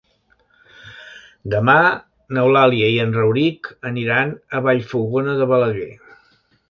Demà n'Eulàlia i en Rauric aniran a Vallfogona de Balaguer.